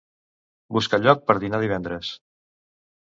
Busca lloc per dinar divendres.